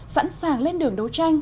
sẵn sàng lên đường đấu tranh